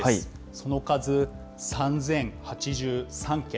その数３０８３件。